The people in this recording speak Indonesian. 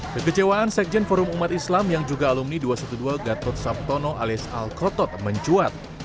kekecewaan sekjen forum umat islam yang juga alumni dua ratus dua belas gatot sabtono alias al krotot mencuat